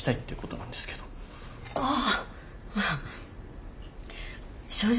ああ。